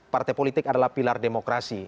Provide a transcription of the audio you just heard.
partai politik adalah pilar demokrasi